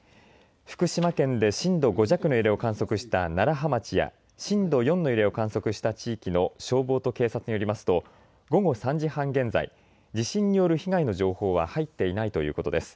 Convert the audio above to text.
福島県で震度５弱の揺れを観測した楢葉町や震度４の揺れを観測した地域の消防と警察によりますと午後３時半現在、地震による被害の情報は入っていないということです。